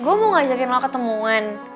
gue mau ngajakin lo ketemuan